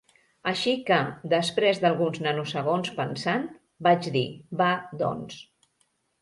Així que, després d'alguns nanosegons pensant, vaig dir: "Va, doncs".